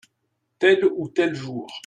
Tel ou tel jour.